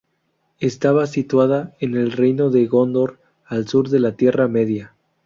Estaba situada en el reino de Gondor, al sur de la Tierra Media.